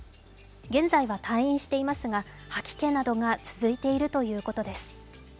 現在は退院していますが、吐き気などが続いているということです。